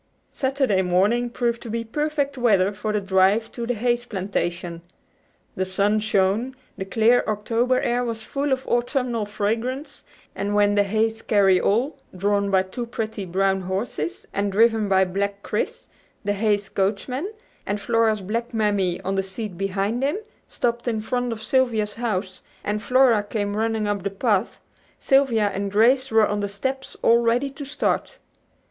Saturday morning proved to be perfect weather for the drive to the Hayes plantation. The sun shone, the clear October air was full of autumnal fragrance, and when the Hayes carry all, drawn by two pretty brown horses, and driven by black Chris, the Hayes coachman, and Flora's black mammy on the seat beside him, stopped in front of Sylvia's house and Flora came running up the path, Sylvia and Grace were on the steps all ready to start.